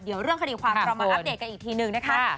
เดี๋ยวเรื่องคดีความเรามาอัปเดตกันอีกทีหนึ่งนะคะ